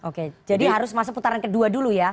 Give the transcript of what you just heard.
oke jadi harus masuk putaran kedua dulu ya